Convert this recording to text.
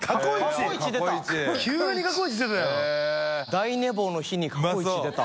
大寝坊の日に過去一出た。